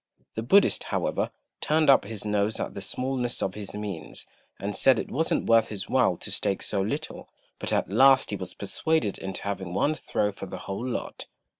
The Buddhist, however, turned up his nose at the smallness of his means, and said it wasn't worth his while to stake so little; but at last he was persuaded into having one throw for the whole lot.